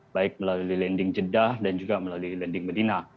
baik melalui landing jeddah dan juga melalui landing medina